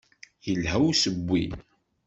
Yelha usewwi.